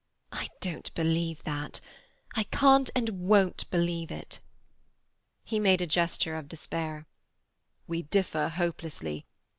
"I don't believe that. I can't and won't believe it." He made a gesture of despair. "We differ hopelessly.